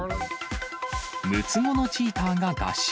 ６つ子のチーターが合唱。